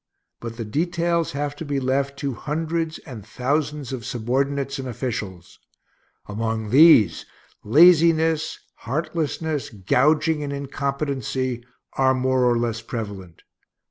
But the details have to be left to hundreds and thousands of subordinates and officials. Among these, laziness, heartlessness, gouging, and incompetency are more or less prevalent.